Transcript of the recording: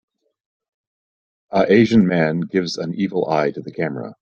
a asian man gives an evil eye to the camera.